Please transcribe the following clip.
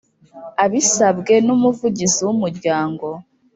Abisabwe n’Umuvugizi w’Umuryango